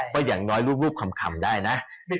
ก็อย่างน้อยรูปคำได้นะ